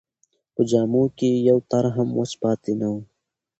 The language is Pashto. په جامو کې یې یو تار هم وچ پاتې نه و.